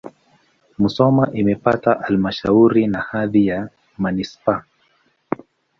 Musoma imepata halmashauri na hadhi ya manisipaa.